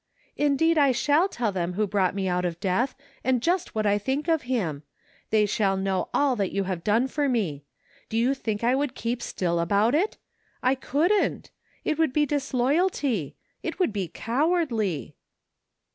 " Indeed I shall tell them who brought me out of death, and just what I think of him. They shall know all that you have done for me. Do you think I would keep still about it ? I couldn't. It would be disloyalty. It would be cowardly